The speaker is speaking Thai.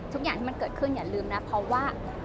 ทุกอย่างที่มันเกิดขึ้นอย่าลืมนะเพราะว่า